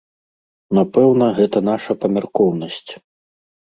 Напэўна, гэта наша памяркоўнасць.